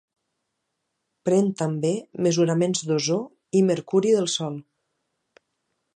Pren també mesuraments d'ozó i mercuri del sòl.